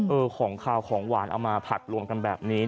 ของขาวของหวานเอามาผัดรวมกันแบบนี้